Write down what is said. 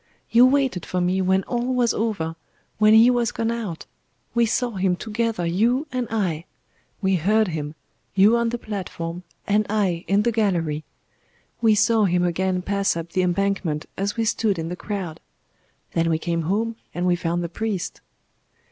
You waited for me when all was over when He was gone out we saw Him together, you and I. We heard Him you on the platform and I in the gallery. We saw Him again pass up the Embankment as we stood in the crowd. Then we came home and we found the priest."